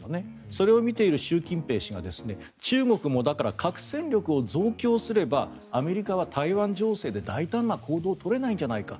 それを見ている習近平氏が中国もだから、核戦力を増強すればアメリカは台湾情勢で大胆な行動を取れないんじゃないか。